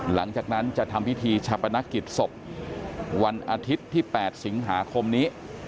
หลังจากนั้นจะทำพิธีชาปนกิจศพวันอาทิตย์ที่๘สิงหาคมนี้